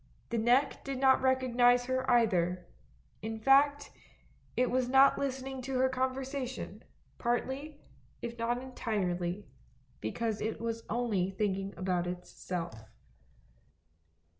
The bottle neck did not recognise her either, in fact it was not listening to her conversation, partly, if not entirely, because it was only thinking about itself.